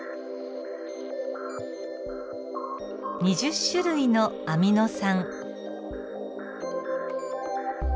２０種類のアミノ酸。